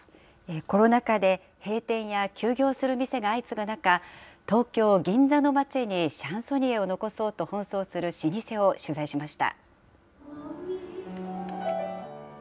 コロナ禍で閉店や休業する店が相次ぐ中、東京・銀座の街にシャンソニエを残そうと奔走する老舗を取材しました。